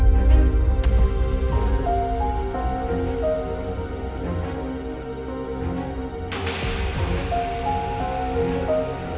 jangan lupa ya pak